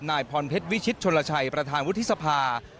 นายพรเพชรวิชิตชนลชัยประธานวุฒิสภา